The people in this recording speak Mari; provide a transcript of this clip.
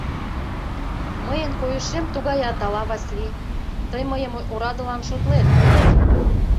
Мыйын койышем тугаят, ала, Васлий, тый мыйым орадылан шотлет?